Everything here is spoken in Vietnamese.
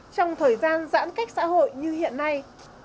trong thời gian giãn cách xã hội như hiện nay